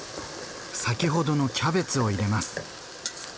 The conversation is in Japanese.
先ほどのキャベツを入れます。